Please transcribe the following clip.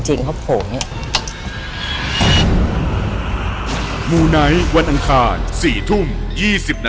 จริงเขาโผล่เนี่ย